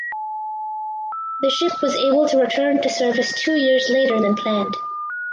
The ship was able to return to service two years later than planned.